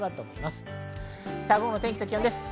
午後の天気と気温です。